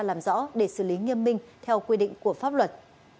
làm rõ để xử lý nghiêm minh theo quy định của pháp luật